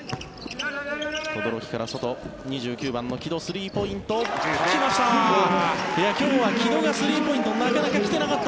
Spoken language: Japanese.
轟から外、２９番の城戸スリーポイント、来ました！